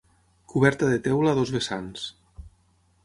Coberta de teula a dos vessants.